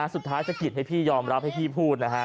สุดท้ายจะกินให้พี่ยอมรับให้พี่พูด